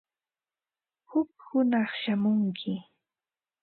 Huk hunaq shamunki.